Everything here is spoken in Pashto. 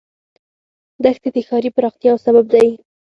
دښتې د ښاري پراختیا یو سبب دی.